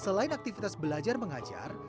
selain aktivitas belajar mengajar